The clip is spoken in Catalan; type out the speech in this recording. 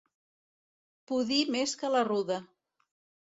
Pudir més que la ruda.